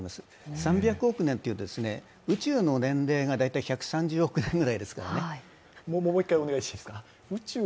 ３００億年という宇宙の年齢が大体１３０億年ぐらいですから。